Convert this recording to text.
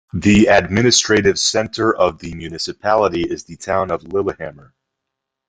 The administrative centre of the municipality is the town of Lillehammer.